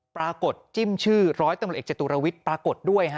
ปรากฏจิ้มชื่อร้อยตำรวจเอกจตุรวิทย์ปรากฏด้วยฮะ